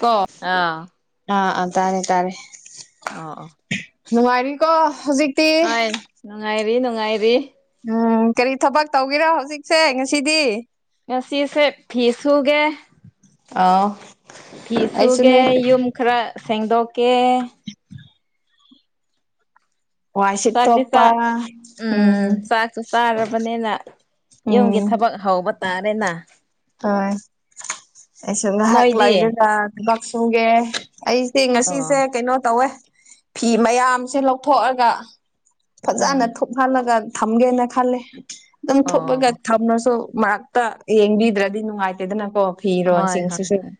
ꯀꯣ ꯑꯥ ꯑꯥ ꯑꯥ ꯇꯥꯔꯦ ꯇꯥꯔꯦ ꯑꯣ ꯑꯣ ꯅꯨꯉꯥꯏꯔꯤ ꯀꯣ ꯍꯧꯖꯤꯛ ꯍꯣꯏ ꯅꯨꯡꯉꯥꯏꯔꯤ ꯅꯨꯡꯉꯥꯏꯔꯤ ꯎꯝ ꯀꯔꯤ ꯊꯕꯛ ꯇꯧꯒꯦꯔꯣ ꯍꯧꯖꯤꯛꯁꯦ ꯉꯁꯤꯗꯤ ꯉꯁꯤꯁꯦ ꯁꯨꯒꯦ ꯑꯥ ꯐꯤ ꯁꯨꯒꯦ ꯌꯨꯝ ꯈꯔ ꯁꯦꯡꯗꯣꯛꯀꯦ ꯋꯥꯏ ꯆꯥꯛꯗꯤ ꯆꯥ ꯁꯤꯠꯇꯣꯛꯄ ꯎꯝ ꯆꯥꯛꯁꯨ ꯆꯥꯔꯕꯅꯤꯅ ꯌꯨꯝꯒꯤ ꯎꯝ ꯊꯕꯛ ꯍꯧꯕ ꯇꯥꯔꯦꯅ ꯍꯣꯏ ꯑꯩꯁꯨ ꯉꯥꯏꯍꯥꯛ ꯅꯣꯏꯗꯤ ꯂꯩꯔꯒ ꯊꯕꯛ ꯁꯨꯒꯦ ꯑꯩꯁꯦ ꯑꯣ ꯉꯁꯤꯁꯦ ꯀꯩꯅꯣ ꯇꯧꯋꯦ ꯐꯤ ꯃꯌꯥꯝꯁꯦ ꯂꯧꯊꯣꯛꯑꯒ ꯐꯖꯅ ꯎꯝ ꯊꯨꯞꯍꯜꯂꯒ ꯊꯝꯒꯦꯅ ꯈꯂꯦ ꯑꯗꯨꯝ ꯊꯨꯞꯄꯒ ꯑꯣ ꯊꯝꯔꯁꯨ ꯃꯔꯛꯇ ꯌꯦꯡꯕꯤꯗ꯭ꯔꯗꯤ ꯅꯨꯡꯉꯥꯏꯇꯦꯗꯅꯀꯣ ꯍꯣꯏ ꯍꯣꯏ ꯐꯤꯔꯣꯟꯁꯤꯡꯁꯤꯖꯨ ꯍꯣꯏ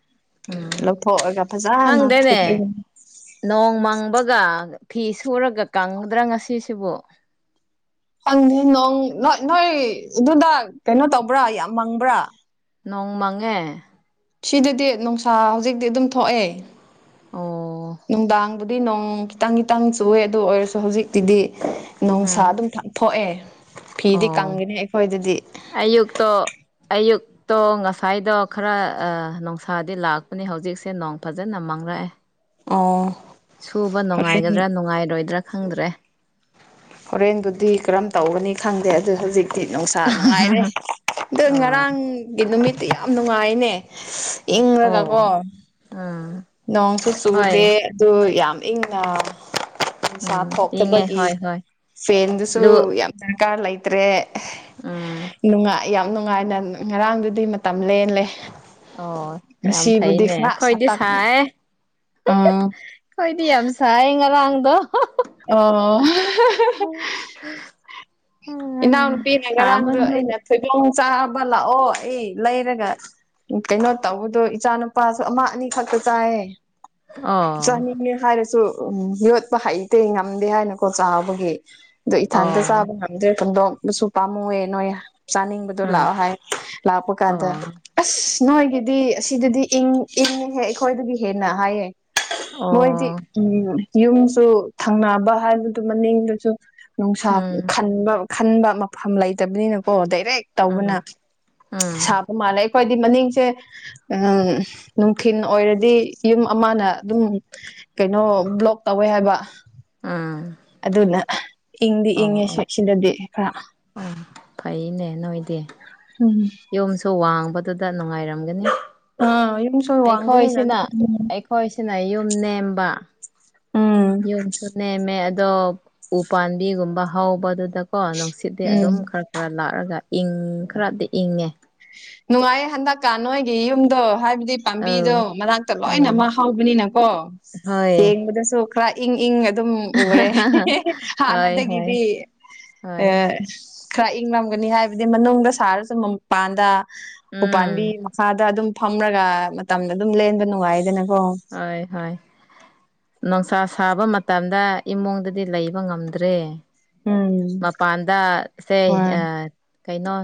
ꯎꯝ ꯂꯧꯊꯣꯛꯑꯒ ꯐꯖꯅ ꯈꯪꯗꯦꯅꯦ ꯊꯨꯞꯂꯅꯤ ꯅꯣꯡ ꯃꯪꯕꯒ ꯐꯤ ꯁꯨꯔꯒ ꯀꯪꯒꯗ꯭ꯔꯥ ꯉꯁꯤꯁꯤꯕꯨ ꯈꯪꯗꯦ ꯅꯣꯡ ꯅꯣꯏ ꯅꯣꯏ ꯑꯗꯨꯗ ꯀꯩꯅꯣ ꯇꯧꯕ꯭ꯔꯥ ꯌꯥꯝ ꯃꯪꯕ꯭ꯔꯥ ꯅꯣꯡꯃꯉꯦ ꯁꯤꯗꯗꯤ ꯅꯨꯡꯁꯥ ꯍꯧꯖꯤꯛꯇꯤ ꯑꯗꯨꯝ ꯊꯣꯛꯑꯦ ꯑꯣ ꯅꯨꯡꯗꯥꯡꯕꯨꯗꯤ ꯅꯣꯡ ꯈꯤꯇꯪ ꯈꯤꯇꯪ ꯆꯨꯑꯦ ꯑꯗꯨ ꯑꯣꯏꯔꯁꯨ ꯍꯧꯖꯤꯛꯇꯤꯗꯤ ꯅꯨꯡꯁꯥ ꯑꯥ ꯑꯗꯨꯝ ꯊꯣꯛꯑꯦ ꯐꯤꯗꯤ ꯑꯣ ꯀꯪꯒꯅꯤ ꯑꯩꯈꯣꯏꯗꯗꯤ ꯑꯌꯨꯛꯛꯇꯣ ꯑꯌꯨꯛ ꯇꯣ ꯉꯁꯥꯏꯗꯣ ꯈꯔ ꯅꯨꯡꯁꯥꯗꯤ ꯂꯥꯛꯄꯅꯦ ꯍꯧꯖꯤꯛꯁꯦ ꯅꯣꯡ ꯐꯖꯅ ꯃꯥꯡꯂꯛꯑꯦ ꯑꯣ ꯁꯨꯕ ꯍꯣꯔꯦꯟ ꯅꯨꯡꯉꯥꯏꯒꯗ꯭ꯔꯥ ꯅꯨꯡꯉꯥꯏꯔꯣꯏꯗ꯭ꯔꯥ ꯈꯪꯗ꯭ꯔꯦ ꯍꯣꯔꯦꯟꯗꯨꯗꯤ ꯀꯔꯝ ꯇꯧꯒꯅꯤ ꯈꯪꯗꯦ ꯑꯗꯨ ꯍꯧꯖꯤꯛ ꯍꯥꯏꯗꯤ ꯅꯨꯡꯁꯥ ꯅꯨꯡꯉꯥꯏꯔꯦ ꯑꯗꯣ ꯑꯣ ꯉꯔꯥꯡꯒꯤ ꯅꯨꯃꯤꯠꯇꯤ ꯌꯥꯝ ꯅꯨꯡꯉꯥꯏꯅꯦ ꯏꯪꯔꯒꯀꯣ ꯑꯣ ꯎꯝ ꯅꯣꯡꯁꯨ ꯍꯣꯏ ꯆꯨꯗꯦ ꯑꯗꯨ ꯌꯥꯝ ꯏꯪꯅ ꯅꯤꯁꯥ ꯎꯝ ꯏꯪꯉꯦ ꯊꯣꯛꯇꯕꯒꯤ ꯍꯣꯏ ꯍꯣꯏ ꯐꯦꯟꯗꯨꯁꯨ ꯂꯨ ꯌꯥꯝ ꯗꯔꯀꯥꯔ ꯂꯩꯇ꯭ꯔꯦ ꯎꯝ ꯅꯨꯡꯉꯥꯏ ꯌꯥꯝ ꯅꯨꯡꯉꯥꯏꯅ ꯉꯔꯥꯡꯗꯨꯗꯤ ꯃꯇꯝ ꯂꯦꯜꯂꯦ ꯑꯣ ꯌꯥꯝ ꯉꯁꯤꯕꯨꯗꯤ ꯐꯥꯏꯅꯦ ꯈꯔ ꯈꯣꯏꯗꯤ ꯁꯥꯇꯛ ꯁꯥꯏ ꯑꯦ [unintelligible] ꯑꯥ ꯑꯩꯈꯣꯏꯗꯤ ꯌꯥꯝ ꯁꯥꯏ ꯉꯔꯥꯡꯗꯣ ꯑꯣ [unintelligible] ꯏꯅꯥꯎꯅꯨꯄꯤꯅ ꯉꯔꯥꯡꯗꯣ ꯁꯥꯃꯟꯕꯒꯤ ꯑꯩꯅ ꯊꯣꯏꯗꯣꯡ ꯆꯥꯕ ꯂꯥꯛꯑꯣ ꯑꯩ ꯂꯩꯔꯒ ꯎꯝ ꯀꯩꯅꯣ ꯇꯧꯕꯗꯣ ꯏꯆꯥ ꯅꯨꯨꯄꯥꯁꯨ ꯑꯃ ꯑꯅꯤꯈꯛꯇ ꯆꯥꯏꯌꯦ ꯑꯣ ꯆꯥꯅꯤꯡꯅꯦ ꯍꯥꯏꯔꯁꯨ ꯎꯝ ꯌꯣꯠꯄ ꯍꯩꯇꯦ ꯉꯝꯗꯦ ꯍꯥꯏꯅꯀꯣ ꯆꯥꯕꯒꯤ ꯑꯗꯣ ꯏꯊꯟꯇ ꯑꯣ ꯆꯥꯕ ꯍꯨꯟꯗꯣꯛꯇꯧꯁꯨ ꯄꯥꯝꯃꯨꯑꯦ ꯅꯣꯏ ꯆꯥꯅꯤꯡꯕꯗꯣ ꯂꯥꯛꯑꯣ ꯎꯝ ꯍꯥꯏ ꯂꯥꯛꯄ ꯑꯣ ꯀꯥꯟꯗ ꯑꯁ ꯅꯣꯏꯒꯤꯗꯤ ꯑꯁꯤꯗꯗꯤ ꯏꯪ ꯏꯪꯉꯦ ꯑꯩꯈꯣꯏꯗꯒꯤ ꯍꯦꯟꯅ ꯍꯥꯏꯌꯦ ꯑꯣ ꯃꯣꯏꯗꯤ ꯎꯝ ꯌꯨꯝꯁꯨ ꯊꯪꯅꯕ ꯍꯥꯏꯕꯗꯨ ꯃꯅꯤꯡꯗꯨꯁꯨ ꯅꯨꯡꯁꯥ ꯎꯝ ꯈꯟꯕ ꯈꯟꯕ ꯃꯐꯝ ꯂꯩꯇꯕꯅꯤꯅꯀꯣ ꯑꯗꯩ ꯍꯦꯛ ꯇꯧꯕꯅ ꯎꯝ ꯎꯝ ꯁꯥꯕ ꯃꯥꯜꯂꯦ ꯍꯣꯏꯗꯤ ꯃꯅꯤꯡꯁꯦ ꯑꯥ ꯅꯨꯡꯊꯜ ꯑꯣꯏꯔꯗꯤ ꯌꯨꯝ ꯑꯃꯅ ꯑꯗꯨꯝ ꯀꯩꯅꯣ ꯕ꯭ꯂꯣꯛ ꯇꯧꯋꯦ ꯍꯥꯏꯕ ꯎꯝ ꯑꯗꯨꯅ ꯏꯪꯗꯤ ꯑꯣ ꯏꯪꯉꯦ ꯑꯣ ꯁꯦꯛꯁꯤꯗꯗꯤ ꯈꯔ ꯑꯣ ꯐꯩꯅꯦ ꯅꯣꯏꯗꯤ ꯎꯝ ꯌꯨꯝꯁꯨ ꯋꯥꯡꯕꯗꯨꯗ ꯅꯨꯡꯉꯥꯏꯔꯝꯒꯅꯤ ꯑꯥ ꯌꯨꯝ ꯁꯨ ꯋꯥꯡꯕꯅꯤꯅ ꯑꯗꯨ ꯑꯩꯈꯣꯏꯁꯤꯅ [unintelligible] ꯑꯩꯈꯣꯏꯁꯤꯅ ꯌꯨꯝ ꯅꯦꯝꯕ ꯎꯝ ꯌꯨꯝꯁꯨ ꯅꯦꯝꯃꯦ ꯑꯗꯣ ꯎ ꯄꯥꯝꯕꯤꯒꯨꯝꯕ ꯍꯧꯕꯗꯨꯗꯀꯣ ꯅꯨꯡꯁꯤꯠꯗꯤ ꯎꯝ ꯑꯗꯨꯝ ꯈꯔ ꯈꯔ ꯂꯥꯛꯑꯒ ꯏꯪ ꯈꯔꯗꯤ ꯏꯪꯉꯦ ꯅꯨꯡꯉꯥꯏꯌꯦ ꯍꯟꯗꯛꯀꯥ ꯅꯣꯏꯒꯤ ꯌꯨꯝꯗꯣ ꯍꯥꯏꯕ ꯑꯗꯨ ꯄꯥꯝꯕꯤꯗꯣ ꯑꯧ ꯃꯅꯥꯛꯇ ꯎꯝ ꯂꯣꯏꯅ ꯃꯛ ꯍꯧꯕꯅꯤꯅꯀꯣ ꯍꯣꯏ ꯌꯦꯡꯕꯗꯁꯨ ꯈꯔ ꯏꯪ ꯏꯪ ꯑꯗꯨꯝ ꯎꯔꯦ [unintelligible] ꯍꯣꯏ ꯍꯣꯏ ꯍꯥꯟꯅꯗꯒꯤꯗꯤ ꯑ ꯍꯣꯏ ꯈꯔ ꯏꯪꯉꯝꯒꯅꯤ ꯍꯥꯏꯕꯗꯤ ꯃꯅꯨꯡꯗ ꯁꯥꯔꯁꯨ ꯃꯄꯥꯟꯗ ꯎꯄꯥꯥꯟꯕꯤ ꯎꯝ ꯃꯈꯥꯗ ꯑꯗꯨꯝ ꯐꯝꯔꯒ ꯃꯇꯝꯗ ꯑꯗꯨꯝ ꯂꯦꯟꯕ ꯅꯨꯡꯉꯥꯏꯗꯅ ꯍꯣꯏ ꯍꯣꯏ ꯅꯨꯡꯁꯥ ꯁꯥꯕ ꯃꯇꯝꯗ ꯏꯃꯨꯡꯗꯗꯤ ꯂꯩꯕ ꯉꯝꯗ꯭ꯔꯦ ꯎꯝ ꯃꯄꯥꯟꯗ ꯁꯦ ꯍꯣꯏ ꯑ ꯀꯩꯅꯣ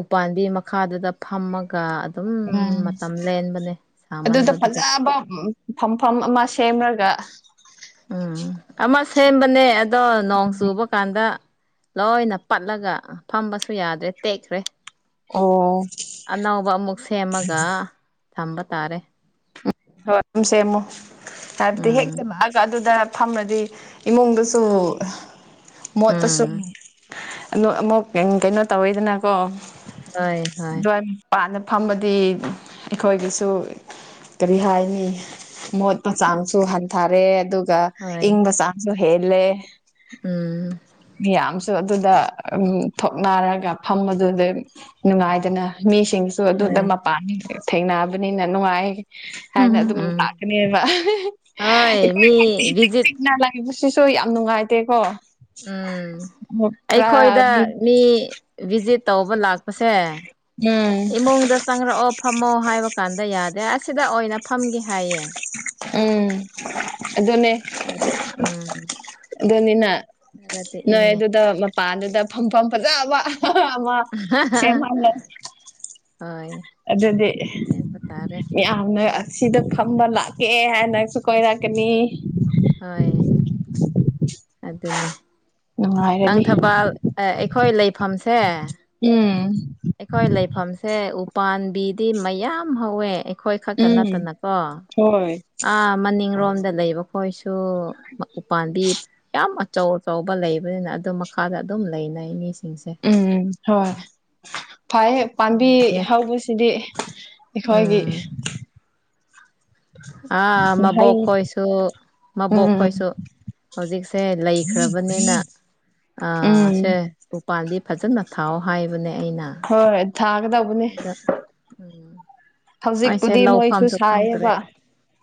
ꯎꯄꯥꯝꯕꯤ ꯃꯈꯥꯗꯨꯗ ꯐꯝꯃꯒ ꯑꯗꯨꯝ ꯎꯝ ꯃꯇꯝ ꯂꯦꯟꯕꯅꯦ ꯑꯗꯨꯗ ꯁꯥꯃꯟꯕꯗꯨꯗ ꯐꯖꯕ ꯐꯝꯐꯝ ꯑꯃ ꯁꯦꯝꯔꯒ ꯎꯝ ꯑꯃ ꯁꯦꯝꯕꯅꯦ ꯑꯗꯣ ꯅꯣꯡ ꯆꯨꯕ ꯀꯥꯟꯗ ꯂꯣꯏꯅ ꯄꯠꯂꯒ ꯐꯝꯕꯁꯨ ꯌꯥꯗ꯭ꯔꯦ ꯇꯦꯛꯈ꯭ꯔꯦ ꯑꯣ ꯑꯅꯧꯕ ꯑꯃꯨꯛ ꯁꯦꯝꯃꯒ ꯊꯝꯕ ꯇꯥꯔꯦ ꯍꯣꯏ ꯑꯗꯨꯝ ꯁꯦꯝꯃꯨ ꯍꯥꯏꯕꯗꯤ ꯍꯦꯛ ꯎꯝ ꯆꯪꯂꯑꯒ ꯑꯗꯨꯗ ꯊꯝꯃꯗꯤ ꯏꯃꯨꯡꯗꯁꯨ ꯃꯣꯠꯇꯁꯨ ꯎꯝ ꯑꯗꯨ ꯑꯃꯨꯛ ꯀꯩꯅꯣ ꯇꯧꯋꯤꯗꯅꯀꯣ ꯍꯣꯏ ꯍꯣꯏ ꯐꯝꯃꯗꯤ ꯑꯩꯈꯣꯏꯒꯤꯁꯨ ꯀꯔꯤ ꯍꯥꯏꯅꯤ ꯃꯣꯠꯄ ꯆꯥꯡꯁꯨ ꯍꯟꯊꯔꯦ ꯑꯗꯨꯒ ꯍꯣꯏ ꯏꯪꯕ ꯆꯥꯡꯁꯨ ꯍꯦꯜꯂꯦ ꯎꯝ ꯃꯤꯌꯥꯝꯁꯨ ꯑꯗꯨꯗ ꯎꯝ ꯊꯣꯛꯅꯔꯒ ꯐꯝꯕꯗꯨꯗ ꯅꯨꯡꯉꯥꯏꯗꯅ ꯃꯤꯁꯨ ꯁꯤꯡꯁꯨ ꯍꯣꯏ ꯑꯗꯨꯗ ꯃꯄꯥꯟ ꯊꯦꯡꯅꯕꯅꯤꯅ ꯅꯨꯡꯉꯥꯏ ꯍꯥꯏꯅ ꯑꯗꯨꯝ ꯎꯝ ꯂꯥꯛꯀꯅꯦꯕ ꯍꯣꯏ ꯏꯈꯣꯏ ꯃꯤ [unintelligible] ꯚꯤꯖꯤꯠ ꯆꯤꯛꯅꯕꯩ ꯁꯤꯁꯨ ꯌꯥꯝ ꯅꯨꯡꯉꯥꯏꯇꯦꯀꯣ ꯎꯝ ꯑꯩꯈꯣꯏꯗ ꯃꯤ ꯚꯤꯖꯤꯠ ꯇꯧꯕ ꯂꯥꯛꯄꯁꯦ ꯎꯝ ꯏꯃꯨꯡꯗ ꯆꯪꯔꯛꯑꯣ ꯐꯝꯃꯣ ꯍꯥꯏꯕ ꯀꯥꯟꯗ ꯌꯥꯗ꯭ꯔꯦ ꯑꯁꯤꯗ ꯑꯣꯏꯅ ꯐꯝꯒꯦ ꯍꯥꯏꯌꯦ ꯎꯝ ꯑꯗꯨꯅꯦ ꯑꯗ ꯎꯝ ꯑꯗꯨꯅꯤꯅ ꯈꯔꯗꯤ ꯏꯪꯉꯦ ꯃꯄꯥꯥꯟꯗꯨꯗ ꯐꯝꯐꯝ ꯐꯖꯕ ꯑꯃ ꯁꯦꯝꯍꯜꯂꯁꯤ ꯍꯣꯏ ꯑꯗꯨꯗꯤ ꯁꯦꯝꯕ ꯇꯥꯔꯦ ꯌꯥꯝꯅ ꯑꯁꯤꯗ ꯐꯝꯕ ꯂꯥꯛꯀꯦ ꯍꯥꯏ ꯅꯪꯁꯨ ꯀꯣꯏꯔꯛꯀꯅꯤ ꯍꯣꯏ ꯑꯗꯨꯅꯦ ꯅꯨꯡꯉꯥꯏꯔꯅꯤ ꯂꯪꯊꯕꯥꯜ ꯑꯦ ꯑꯩꯈꯣꯏ ꯂꯩꯐꯝꯁꯦ ꯎꯝ ꯁꯦ ꯎꯄꯥꯥꯟꯕꯤꯗꯤ ꯃꯌꯥꯝ ꯍꯧꯋꯦ ꯑꯈꯣꯏ ꯈꯛꯇ ꯎꯝ ꯅꯠꯇꯅꯀꯣ ꯍꯣꯏ ꯑꯥ ꯃꯅꯤꯡꯔꯣꯝ ꯗꯥ ꯂꯩꯕ ꯈꯣꯏꯁꯨ ꯎꯄꯥꯝꯕꯤ ꯌꯥꯝ ꯑꯆꯧ ꯑꯆꯧꯕ ꯂꯩꯕꯅꯤꯅ ꯑꯗꯨ ꯃꯈꯥꯗ ꯑꯗꯨꯝ ꯂꯩ ꯂꯩꯅꯤꯁ ꯎꯝ ꯍꯣꯏ ꯐꯥꯏꯍꯦ ꯄꯥꯝꯕꯤ ꯅꯨꯡꯉꯥꯏꯌꯦ ꯍꯧꯕꯁꯤꯗꯤ ꯑꯩꯈꯣꯏꯒꯤ ꯎꯝ ꯑꯥ ꯃꯍꯩ ꯃꯕꯣꯛ ꯈꯣꯏꯁꯨ ꯃꯕꯣꯛ ꯎꯝ ꯈꯣꯏꯁꯨ ꯍꯧꯖꯤꯛꯁꯦ ꯂꯩꯈ꯭ꯔꯕꯅꯤꯅ ꯑꯥ ꯎꯝ ꯁꯦ ꯎꯄꯥꯟꯕꯤ ꯐꯖꯟꯅ ꯊꯥꯎꯑꯣ ꯍꯥꯏꯕꯅꯦ ꯑꯩꯅ ꯍꯣꯏ ꯊꯥꯒꯗꯧꯕꯅꯦ ꯑꯗ ꯎꯝ ꯑꯩꯁꯦ ꯍꯧꯖꯤꯛꯄꯨꯗꯤ ꯃꯣꯏꯁꯨ ꯂꯧꯐꯝꯁꯨ ꯈꯪꯗ꯭ꯔꯦ ꯁꯥꯏꯌꯦꯕ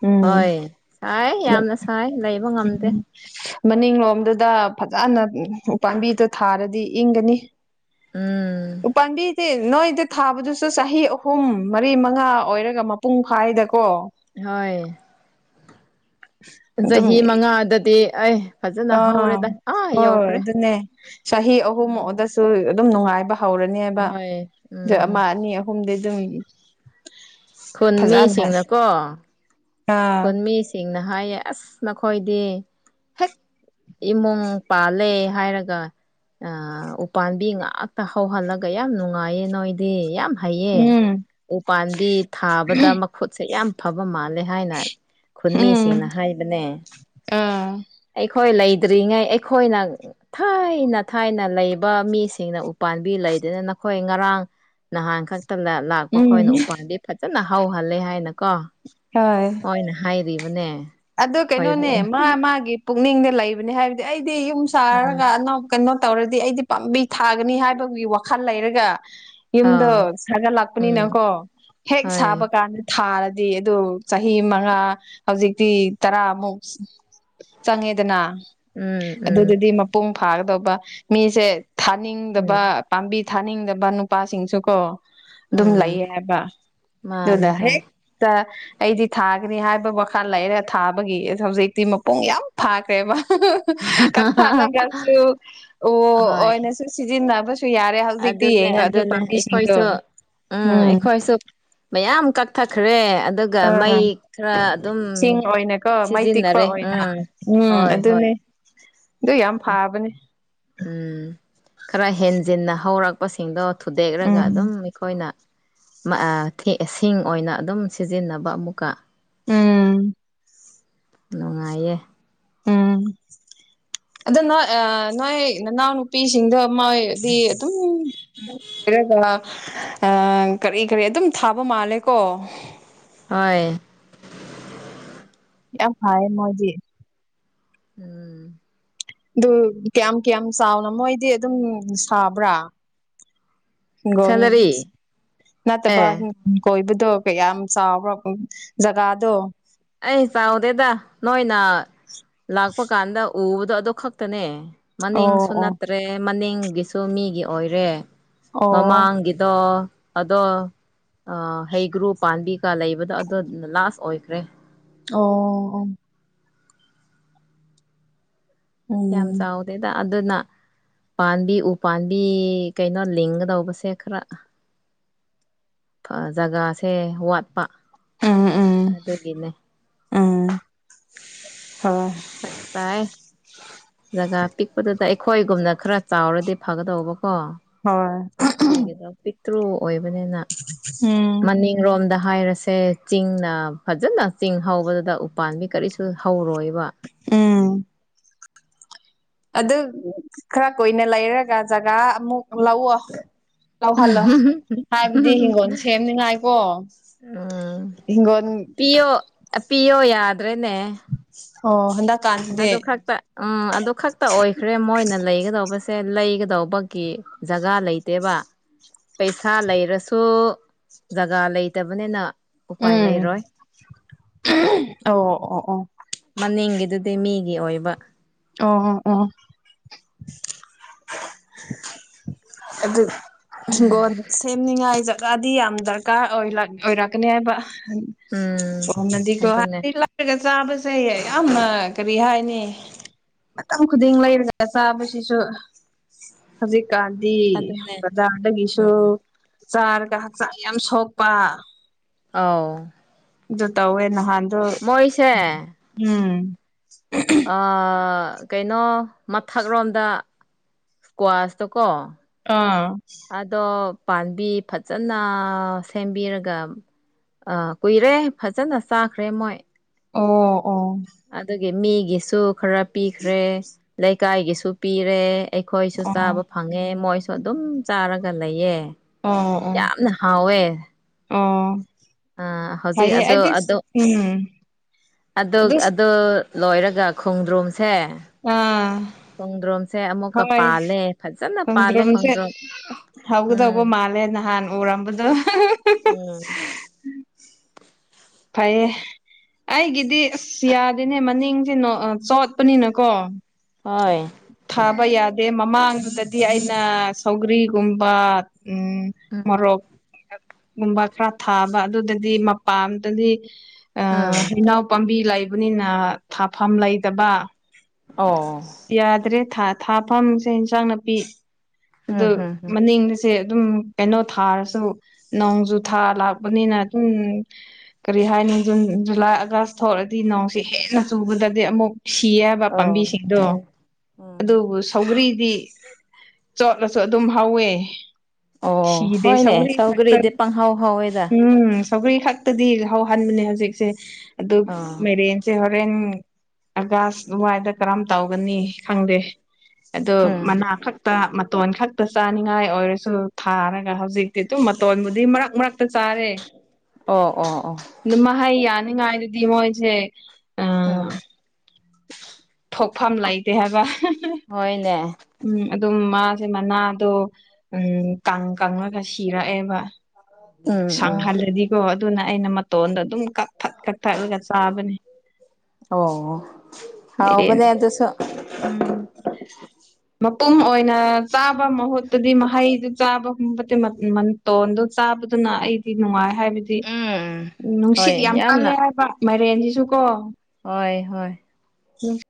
ꯎꯝ ꯍꯣꯏ ꯁꯥꯏ ꯌꯥꯝꯅ ꯁꯥꯏ ꯂꯩꯕ ꯉꯝꯗꯦ ꯃꯅꯤꯡꯂꯣꯝꯗꯨꯗ ꯐꯖꯅ ꯎꯄꯥꯝꯕꯤꯗꯨ ꯊꯥꯔꯗꯤ ꯏꯪꯒꯅꯤ ꯎꯝ ꯎꯄꯥꯝꯕꯤꯗꯤ ꯅꯣꯏꯗ ꯊꯥꯕꯗꯨꯁꯨ ꯆꯍꯤ ꯑꯍꯨꯝ ꯃꯔꯤ ꯃꯥ ꯉꯥ ꯑꯣꯏꯔꯒ ꯃꯄꯨꯡ ꯐꯥꯏꯗ ꯍꯣꯏ ꯑꯗꯨꯝ ꯆꯍꯤ ꯃꯉꯥꯗꯗꯤ ꯑꯩ ꯐꯖꯅ ꯑꯥ ꯍꯧꯔꯦꯗ ꯑꯥ ꯍꯣꯏ ꯌꯧꯈ꯭ꯔꯦ ꯑꯗꯨꯅꯦ ꯆꯍꯤ ꯑꯍꯨꯝ ꯎꯝ ꯑꯣꯗꯁꯨ ꯗꯨꯝ ꯅꯨꯡꯉꯥꯏꯕ ꯍꯧꯔꯅꯦꯕ ꯍꯣꯏ ꯗꯣ ꯎꯝ ꯑꯃꯥ ꯑꯅꯤ ꯑꯍꯨꯝꯗꯤ ꯑꯗꯨꯝ ꯈꯨꯟ ꯐꯖꯅ ꯃꯤꯁꯤꯡꯅꯀꯣ ꯑꯥ ꯈꯨꯟꯃꯤꯁꯤꯡꯅ ꯍꯥꯏꯌꯦ ꯑꯁ ꯅꯈꯣꯏꯗꯤ ꯍꯦꯛ ꯏꯃꯨꯡ ꯄꯥꯜꯂꯦ ꯍꯥꯏꯔꯒ ꯑꯥ ꯎꯄꯥꯝꯕꯤ ꯉꯥꯛꯇ ꯍꯧꯍꯜꯂꯒ ꯌꯥꯝ ꯅꯨꯡꯉꯥꯏꯌꯦ ꯅꯣꯏꯗꯤ ꯌꯥꯝ ꯍꯩꯌꯦ ꯎꯝ ꯎꯄꯥꯥꯝꯕꯤ ꯊꯥꯕꯗ ꯃꯈꯨꯠꯁꯦ ꯌꯥꯝ ꯐꯕ ꯃꯥꯜꯂꯦ ꯍꯥꯏꯅ ꯎꯝ ꯈꯨꯟꯃꯤꯁꯤꯡꯅ ꯍꯥꯏꯕꯅꯦ ꯑꯥ ꯑꯩ ꯍꯣꯏ ꯂꯩꯇ꯭ꯔꯤꯉꯩ ꯑꯩꯈꯣꯏꯅ ꯊꯥꯏꯅ ꯊꯥꯏꯅ ꯂꯩꯕ ꯃꯤꯁꯤꯡꯅ ꯎꯄꯥꯥꯝꯕꯤ ꯂꯩ ꯂꯩꯇꯦꯗ ꯅꯈꯣꯏ ꯉꯔꯥꯡ ꯅꯍꯥꯟꯈꯛ ꯇꯝꯗ ꯂꯥꯛꯄ ꯈꯣꯏꯅ ꯎꯝ ꯎꯄꯥꯟꯕꯤ ꯐꯖꯅ ꯍꯧꯍꯜꯂꯦ ꯍꯥꯏꯅꯀꯣ ꯍꯣꯏ ꯃꯣꯏꯅ ꯍꯥꯏꯕꯤꯕꯅꯦ ꯑꯗꯨ ꯀꯩꯅꯣꯅꯦ ꯃꯥ ꯃꯥꯒꯤ ꯄꯨꯛꯅꯤꯡꯗ ꯂꯩꯕꯅꯦ ꯍꯥꯏꯕꯗꯤ ꯑꯩ ꯗꯤ ꯌꯨꯝ ꯁꯥꯔꯒ ꯎꯝ ꯑꯅꯧ ꯀꯩꯅꯣ ꯇꯧꯔꯗꯤ ꯑꯩꯗꯤ ꯄꯥꯝꯕꯤ ꯊꯥꯒꯅꯤ ꯍꯥꯏꯕꯒꯤ ꯋꯥꯈꯜ ꯂꯩꯔꯒ ꯌꯨꯝꯗꯣ ꯑꯥ ꯎꯝ ꯁꯥꯒꯠꯂꯛꯄꯅꯤꯅꯀꯣ ꯍꯦꯛ ꯍꯣꯏ ꯁꯥꯕ ꯀꯥꯟꯗ ꯊꯥꯔ ꯗꯤ ꯑꯗꯨ ꯆꯍꯤ ꯃꯉꯥ ꯍꯧꯖꯤꯛ ꯇꯤ ꯇꯔꯥꯃꯨꯛ ꯆꯪꯉꯦꯗꯅ ꯎꯝ ꯎꯝ ꯑꯗꯨꯗꯗꯤ ꯃꯄꯨꯡ ꯐꯥꯒꯗꯧꯕ ꯃꯤꯁꯦ ꯊꯥꯅꯤꯡꯗꯕ ꯎꯝ ꯄꯥꯝꯕꯤ ꯊꯥꯅꯤꯡꯗꯕ ꯅꯨꯄꯥꯁꯤꯡꯁꯨ ꯀꯣ ꯑꯗꯨꯝ ꯎꯝ ꯂꯩꯌꯦ ꯍꯥꯏꯕ ꯃꯥꯅꯦ ꯑꯗꯨꯗ ꯍꯣꯏ ꯍꯦꯛꯇ ꯑꯩꯗꯤ ꯊꯥꯒꯅꯤ ꯍꯥꯏꯕ ꯋꯥꯈꯜ ꯂꯩꯔꯒ ꯊꯥꯕꯒꯤ ꯍꯧꯖꯤꯛꯇꯤ ꯃꯄꯨꯡ ꯌꯥꯝ ꯐꯥꯈ꯭ꯔꯦꯕ ꯀꯛꯊꯥꯠꯂꯒꯁꯨ ꯑꯣ ꯍꯣꯏ ꯑꯣꯏꯅꯁꯨ ꯁꯤꯖꯤꯟꯅꯕ ꯁꯨ ꯌꯥꯔꯦ ꯍꯧꯖꯤꯛꯇꯤ ꯑꯗꯨꯅꯦ ꯌꯦꯡꯉꯒ ꯑꯗꯨ ꯑꯗꯨꯅꯦ ꯄꯥꯝꯕꯤꯁꯤꯡꯗꯣ ꯑꯩꯈꯣꯏꯁꯨ ꯎꯝ ꯃꯌꯥꯝ ꯀꯛꯊꯠꯈ꯭ꯔꯦ ꯑꯗꯨꯒ ꯑꯥ ꯃꯩ ꯈꯔ ꯑꯗꯨꯝ ꯁꯤꯡ ꯑꯣꯏꯅꯀꯣ ꯃꯩ ꯇꯤꯛꯄ ꯁꯤꯖꯤꯟꯅꯔꯦ ꯑꯣꯏꯅ ꯎꯝ ꯎꯝ ꯍꯣꯏ ꯍꯣꯏ ꯑꯗꯨꯅꯦ ꯑꯗꯨ ꯌꯥꯝ ꯐꯥꯕꯅꯦ ꯎꯝ ꯈꯔ ꯍꯦꯟ ꯖꯤꯟꯅ ꯍꯧꯔꯛꯄꯁꯤꯡꯗꯣ ꯊꯨꯗꯦꯛꯔꯒ ꯎꯝ ꯑꯗꯨꯝ ꯑꯩꯈꯣꯏꯅ ꯃꯑꯥ ꯁꯤꯡ ꯑꯣꯏꯅ ꯑꯗꯨꯝ ꯁꯤꯖꯤꯟꯅꯕ ꯑꯃꯨꯛꯀ ꯎꯝ ꯅꯨꯡꯉꯥꯏꯌꯦ ꯎꯝ ꯑꯗꯣ ꯅꯣꯏ ꯅꯣꯏ ꯅꯅꯥꯎꯅꯨꯄꯤꯁꯤꯡꯗꯣ ꯃꯣꯏꯗꯤ ꯑꯗꯨꯝ ꯍꯥꯏꯔꯒ ꯑ ꯀꯔꯤ ꯀꯔꯤ ꯑꯗꯨꯝ ꯊꯥꯕ ꯃꯥꯜꯂꯦ ꯀꯣ ꯍꯣꯏ ꯌꯥꯝ ꯐꯩꯌꯦ ꯃꯣꯏꯗꯤ ꯎꯝ ꯑꯗꯨ ꯀꯌꯥꯝ ꯀꯌꯥꯝ ꯆꯥꯎꯅ ꯃꯣꯏꯗꯤ ꯑꯗꯨꯝ ꯁꯥꯕ꯭ꯔꯥ ꯍꯤꯡꯒꯣꯜ ꯁꯦꯂꯔꯤ ꯅꯠꯇꯕ ꯑꯦ [unintelligible] ꯀꯌꯥꯝ ꯆꯥꯎꯕ꯭ꯔ ꯖꯒꯥꯗꯣ ꯑꯩ ꯆꯥꯎꯗꯦꯗ ꯅꯣꯏꯅ ꯂꯥꯛꯄ ꯀꯥꯟꯗ ꯎꯕꯗꯣ ꯑꯗꯨ ꯈꯛꯇꯅꯦ ꯑꯣ ꯃꯅꯤꯡꯁꯨ ꯑꯣ ꯅꯠꯇ꯭ꯔꯦ ꯃꯅꯤꯡꯒꯤꯁꯨ ꯃꯤꯒꯤ ꯑꯣꯏꯔꯦ ꯑꯣ ꯃꯃꯥꯡꯒꯤꯗꯣ ꯑꯗꯣ ꯍꯩ ꯒ꯭ꯔꯨ ꯄꯥꯝꯕꯤ ꯀꯀꯥ ꯂꯩꯕꯗꯣ ꯑꯗꯣ ꯂꯥꯁ ꯑꯣꯏꯈ꯭ꯔꯦ ꯑꯣ ꯌꯥꯝ ꯎꯝ ꯆꯥꯎꯗꯦꯗꯥ ꯑꯗꯨꯅ ꯄꯥꯝꯕꯤ ꯎ ꯄꯥꯝꯕꯤ ꯀꯩꯅꯣ ꯂꯤꯡꯒꯗꯧꯕꯁꯦ ꯈꯔ ꯖꯒꯥꯁꯦ ꯋꯥꯠꯄ ꯎꯝ ꯑꯗꯨꯒꯤꯅꯦ ꯎꯝ ꯎꯝ ꯍꯣꯏ ꯐꯔꯛ ꯇꯥꯏꯌꯦ ꯄꯤꯛꯄꯗꯨꯗ ꯑꯩꯈꯣꯏꯒꯨꯝꯅ ꯈꯔ ꯆꯥꯎꯔꯗꯤ ꯐꯒꯗꯧꯕ ꯀꯣ ꯍꯣꯏ ꯃꯣꯏꯒꯤꯗꯣ ꯞꯤꯛ ꯇ꯭ꯔꯨ ꯑꯣꯏꯕꯅꯤꯅ ꯎꯝ ꯃꯅꯤꯡꯔꯣꯝꯗ ꯍꯥꯏꯔꯁꯦ ꯆꯤꯡꯅ ꯐꯖꯅ ꯆꯤꯡ ꯍꯧꯕꯗꯨꯗ ꯎꯄꯥꯥꯟꯕꯤ ꯀꯔꯤꯁꯨ ꯍꯧꯔꯣꯏꯕ ꯋꯥ ꯎꯝ ꯑꯗꯨ ꯈꯔ ꯀꯨꯏꯅ ꯂꯩꯔꯒ ꯖꯒꯥ ꯑꯃꯨꯛ ꯂꯧꯑꯣ ꯂꯧꯍꯜꯂꯣ ꯍꯥꯏꯕꯗꯤ ꯍꯤꯡꯒꯣꯜ ꯁꯦꯝꯅꯤꯉꯥꯏꯀꯣ ꯎꯝ ꯍꯤꯡꯒꯣꯟ ꯄꯤꯌꯣ ꯄꯤꯌꯣ ꯌꯥꯗ꯭ꯔꯦꯅꯦ ꯑꯣ ꯍꯟꯗꯛ ꯑꯗꯨ ꯈꯛꯇ ꯎꯝ ꯑꯗꯨ ꯈꯛꯇ ꯑꯣꯏꯈ꯭ꯔꯦ ꯃꯣꯏꯅ ꯂꯩꯒꯗꯧꯕꯁꯦ ꯁꯦ ꯂꯩꯒꯗꯧꯕꯒꯤ ꯖꯒꯥ ꯂꯩꯇꯦꯕ ꯄꯩꯁꯥ ꯂꯩꯔꯁꯨ ꯖꯒꯥ ꯂꯩꯇꯕꯅꯤꯅ ꯎꯄꯥꯏ ꯎꯝ ꯂꯩꯔꯣꯏ ꯑꯣ ꯑꯣ ꯑꯣ ꯃꯅꯤꯡꯒꯤꯗꯨꯗꯤ ꯃꯤꯒꯤ ꯑꯣꯏꯕ ꯑꯣ ꯑꯣ ꯑꯗꯨ ꯍꯤꯡꯒꯣꯜ ꯁꯦꯝꯅꯤꯉꯥꯏ ꯖꯠꯒꯥꯗꯤ ꯌꯥꯝ ꯗꯔꯀꯥꯔ ꯑꯣꯏꯔꯛꯀꯅꯤ ꯍꯥꯏꯕ ꯎꯝ ꯑꯗꯨꯅꯦ [unintelligible] ꯆꯥꯕꯁꯦ ꯌꯥꯝꯅ ꯀꯔꯤ ꯍꯥꯏꯅꯤ ꯃꯇꯝ ꯈꯨꯗꯤꯡ ꯂꯩꯔꯒ ꯆꯥꯕꯁꯤꯁꯨ ꯍꯧꯖꯤꯛ ꯀꯥꯟꯗꯤ ꯑꯗꯨꯅꯦ ꯕꯖꯥꯔ ꯗꯒꯤꯖꯨ ꯎꯝ ꯆꯥꯔꯒ ꯍꯛꯆꯥꯡ ꯌꯥꯝ ꯁꯣꯛꯄ ꯑꯥꯎ ꯑꯗꯨ ꯇꯧꯋꯦ ꯅꯍꯥꯟꯗꯨ ꯎꯝ ꯀꯩꯅꯣ ꯃꯊꯛꯔꯣꯝꯗ ꯏꯁꯀ꯭ꯋꯥꯁꯇ ꯀ ꯑꯥ ꯄꯥꯟꯕꯤ ꯐꯖꯟꯅ ꯁꯦꯝꯕꯤꯔꯒ ꯑꯥ ꯀꯨꯏꯔꯦ ꯐꯖꯟꯅ ꯆꯥꯈ꯭ꯔꯦ ꯃꯣꯏ ꯑꯣ ꯑꯗꯨꯒꯤ ꯃꯤꯒꯤꯁꯨ ꯈꯔ ꯄꯤꯈ꯭ꯔꯦ ꯂꯩꯀꯥꯏꯒꯤꯁꯨ ꯄꯤꯔꯦ ꯑꯩꯈꯣꯏꯁꯨ ꯑꯣ ꯆꯥꯕ ꯐꯪꯉꯦ ꯃꯣꯏꯁꯨ ꯑꯗꯨꯝ ꯆꯥꯔꯒ ꯂꯩꯌꯦ ꯑꯣ ꯑꯣ ꯌꯥꯝꯅ ꯍꯥꯎꯋꯦ ꯑꯣ ꯑꯥ ꯍꯧꯖꯤꯛ ꯐꯩꯌꯦ ꯑꯗꯣ ꯑꯩꯗꯤ ꯑꯗꯣ ꯎꯝ ꯑꯗꯣ ꯑꯗꯨ ꯑꯗꯣ ꯂꯣꯏꯔꯒ ꯈꯣꯡꯗ꯭ꯔꯨꯝꯁꯦ ꯑꯥ ꯈꯣꯡꯗ꯭ꯔꯨꯝ ꯁꯦ ꯑꯃꯨꯛꯀ ꯍꯣꯏ ꯄꯥꯜꯂꯦ ꯐꯖꯟꯅ ꯄꯥꯜꯂꯦ ꯈꯣꯡꯗ꯭ꯔꯨꯝꯁꯦ ꯈꯣꯡꯗ꯭ꯔꯨꯝ ꯎꯝ ꯍꯧꯒꯗꯧꯕ ꯃꯥꯜꯂꯦ ꯅꯍꯥꯟ ꯎꯔꯝꯕꯗꯣ ꯎꯝ ꯐꯩꯌꯦ ꯑꯩꯒꯤꯗꯤ ꯑꯁ ꯌꯥꯗꯦꯅꯦ ꯃꯅꯤꯡꯖꯦ ꯅꯣ ꯑꯥ ꯆꯣꯠꯄꯅꯤꯅꯀꯣ ꯍꯣꯏ ꯊꯥꯕ ꯌꯥꯗꯦ ꯃꯃꯥꯡꯗꯨꯗꯗꯤ ꯑꯩꯅ ꯁꯧꯒ꯭ꯔꯤꯒꯨꯝꯕ ꯎꯝ ꯎꯝ ꯃꯣꯔꯣꯛ ꯒꯨꯝꯕ ꯈꯔ ꯊꯥꯕ ꯑꯗꯨꯗꯗꯤ ꯃꯄꯥꯟꯗꯗꯤ ꯑꯥ ꯎꯝ ꯏꯅꯥꯎ ꯄꯥꯝꯕꯤ ꯂꯩꯕꯅꯤꯅ ꯊꯐꯝ ꯂꯩꯇꯕ ꯑꯣ ꯌꯥꯗ꯭ꯔꯦ ꯊꯥ ꯊꯥꯐꯝꯁꯦ ꯏꯟꯁꯡ ꯅꯥꯄꯤ ꯑꯗꯨ ꯎꯝ ꯍꯝ ꯍꯝ ꯃꯅꯤꯡꯁꯦ ꯑꯗꯨꯝ ꯀꯩꯅꯣ ꯊꯔꯁꯨ ꯅꯣꯡꯖꯨ ꯊꯥ ꯂꯥꯛꯄꯅꯤꯅ ꯑꯗꯨꯝ ꯀꯔꯤ ꯍꯥꯏ ꯖꯨꯟ ꯖꯨꯂꯥꯏ ꯑꯥꯒꯁ ꯊꯣꯛꯑꯗꯤ ꯅꯣꯡꯁꯦ ꯍꯦꯟꯅ ꯆꯨꯕꯗꯗꯤ ꯑꯃꯨꯛ ꯁꯤ ꯌꯦꯕ ꯑꯣ ꯄꯥꯝꯕꯤꯁꯤꯡꯗꯣ ꯑꯣ ꯎꯝ ꯑꯗꯨꯕꯨ ꯁꯧ ꯒ꯭ꯔꯤꯗꯤ ꯆꯣꯠꯂꯁꯨ ꯑꯗꯨꯝ ꯍꯧꯋꯦ ꯑꯣ ꯁꯤꯗꯦ ꯍꯣꯏꯅꯦ ꯁꯧꯒ꯭ꯔꯤ ꯈꯛꯇꯪ ꯁꯧꯒꯔꯤꯗꯤ ꯄꯪꯍꯧ ꯍꯧꯋꯦꯗ ꯎꯝ ꯁꯧꯒ꯭ꯔꯤ ꯈꯛꯇꯗꯤ ꯍꯧꯍꯟꯕꯅꯦ ꯍꯧꯖꯤꯛꯁꯦ ꯑꯗꯨ ꯑꯥ ꯃꯩꯔꯦꯟꯁꯦ ꯍꯣꯔꯦꯟ ꯑꯒꯥꯁ ꯋꯥꯏꯗ ꯀꯔꯝ ꯇꯧꯒꯅꯤ ꯈꯪꯗꯦ ꯑꯗꯣ ꯎꯝ ꯃꯅꯥ ꯈꯛꯇ ꯃꯇꯣꯟ ꯈꯛꯇ ꯆꯥꯅꯤꯡꯉꯥꯏ ꯑꯣꯏꯔꯁꯨ ꯊꯥꯔꯒ ꯍꯧꯖꯤꯛꯇꯤ ꯑꯗꯨꯝ ꯃꯇꯣꯟꯕꯨꯗꯤ ꯃꯔꯛ ꯃꯔꯛ ꯆꯥꯔꯦ ꯑꯣ ꯑꯣ ꯑꯣ ꯑꯗꯨ ꯃꯍꯩ ꯌꯥꯅꯤꯉꯥꯏꯗꯨꯗꯤ ꯃꯣꯏꯖꯦ ꯎꯝ ꯊꯣꯛꯐꯝ ꯂꯩꯇꯦ ꯍꯥꯏꯕ ꯍꯥ ꯍꯣꯏꯅꯦ ꯃꯖꯦ ꯃꯅꯗꯣ ꯎꯝ ꯀꯪ ꯀꯪꯉꯒ ꯁꯤꯔꯛꯑꯦꯕ ꯎꯝ ꯎꯝ ꯁꯥꯡꯍꯜꯂꯗꯤꯒꯣ ꯑꯗꯨꯅ ꯑꯩꯅ ꯃꯇꯣꯟꯗ ꯑꯗꯨꯝ ꯀꯊꯠ ꯀꯊꯠꯂꯒ ꯆꯥꯕꯅꯦ ꯑꯣ ꯃꯤꯔꯦꯟ ꯍꯥꯎꯕꯅꯦ ꯑꯗꯨꯁꯨ ꯎꯝ ꯃꯄꯨꯝ ꯑꯣꯏꯅ ꯆꯥꯕ ꯃꯍꯨꯠꯇꯗꯤ ꯃꯍꯩꯗꯨ ꯆꯥꯕꯒꯨꯝꯕꯗꯤ ꯃꯇꯣꯟꯗꯣ ꯆꯥꯕ ꯑꯗꯨꯅ ꯑꯩꯗꯤ ꯅꯨꯡꯉꯥꯏ ꯍꯥꯏꯕꯗꯤ ꯎꯝ ꯅꯨꯡꯁꯤꯠ ꯍꯣꯏ ꯌꯥꯝ ꯀꯜꯂꯦ ꯌꯥꯝꯅ ꯍꯥꯏꯕ ꯃꯥꯏꯔꯦꯟꯖꯤ ꯖꯨꯀꯣ ꯍꯣꯏ ꯍꯣꯏ ꯎꯝ